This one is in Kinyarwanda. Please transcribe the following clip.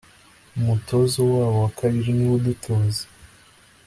umutozo wabo wakabiri niwe udutoza